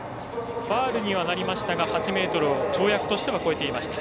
ファウルにはなりましたが８ｍを跳躍としては越えていました。